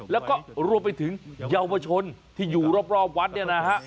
แล้วก็รวมไปถึงเยาวชนที่อยู่รอบวัดเนี่ยนะฮะ